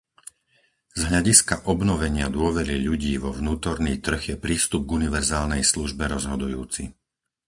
Z hľadiska obnovenia dôvery ľudí vo vnútorný trh je prístup k univerzálnej službe rozhodujúci.